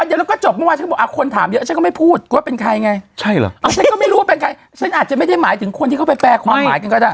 อ่ะฉันก็ไม่รู้เป็นใครฉันอาจจะไม่ได้หมายถึงคนที่เขาไปแปลความหมายกันก็ได้